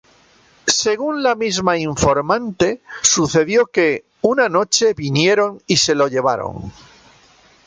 Según la misma informante, sucedió que “"una noche vinieron y se lo llevaron.